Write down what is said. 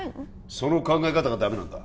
その考え方がダメなんだ